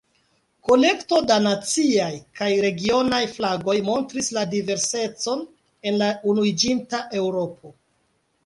Kolekto da naciaj kaj regionaj flagoj montris la diversecon en la unuiĝanta Eŭropo.